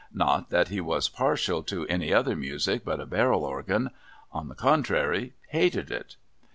Not that he was partial to any other music but a barrel organ ; on the contrairy, hated it.